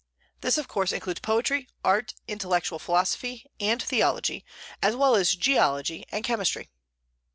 This, of course, includes poetry, art, intellectual philosophy, and theology, as well as geology and chemistry.